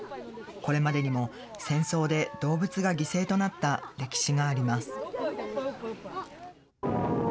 これまでにも戦争で動物が犠牲となった歴史があります。